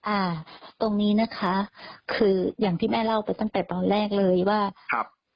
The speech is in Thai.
อ่าตรงนี้นะคะคืออย่างที่แม่เล่าไปตั้งแต่ตอนแรกเลยว่าครับ